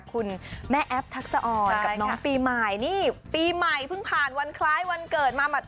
คุณแม่แอปทักษะอ่อนกับน้องปีใหม่นี่ปีใหม่เพิ่งผ่านวันคล้ายวันเกิดมาหัด